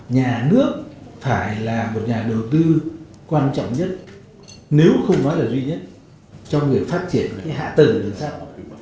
nhà nước phải là một nhà đầu tư quan trọng nhất nếu không nói là duy nhất cho người phát triển hạ tầng đường sắt